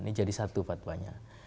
ini jadi satu fatwanya